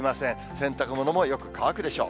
洗濯物もよく乾くでしょう。